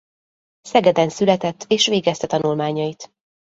Szegeden született és végezte tanulmányait.